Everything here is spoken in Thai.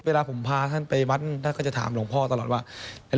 เวลาผมพาท่านไปบั้นท่านก็จะถามผมถือลองตลอดว่า